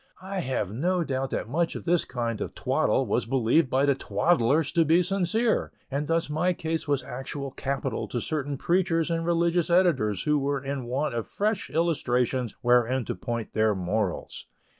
I have no doubt that much of this kind of twaddle was believed by the twaddlers to be sincere; and thus my case was actual capital to certain preachers and religious editors who were in want of fresh illustrations wherewith to point their morals.